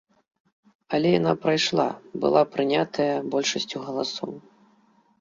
Але яна прайшла, была прынятая большасцю галасоў!